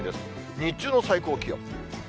日中の最高気温。